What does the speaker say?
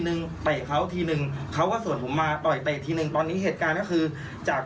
นั้นอ่ะแล้วเขาอ่ะเดินมาจากหน้าปากซอยพี่เข้าใจไหมครับ